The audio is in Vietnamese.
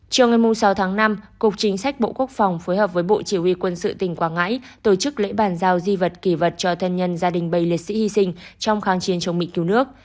chiều ngày sáu tháng năm cục chính sách bộ quốc phòng phối hợp với bộ chỉ huy quân sự tỉnh quảng ngãi tổ chức lễ bàn giao di vật kỳ vật cho thân nhân gia đình bày liệt sĩ hy sinh trong kháng chiến chống mỹ cứu nước